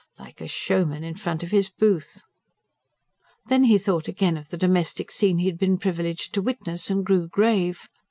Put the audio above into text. "Like a showman in front of his booth!" Then he thought again of the domestic scene he had been privileged to witness, and grew grave.